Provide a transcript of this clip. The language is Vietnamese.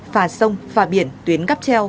phà sông phà biển tuyến cắp treo